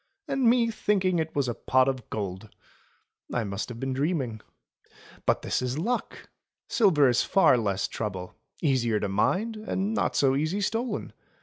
"And me thinking it was a pot of gold ! I must have been dreaming. But this is luck ! Silver is far less trouble — easier to mind, and not so easy stolen.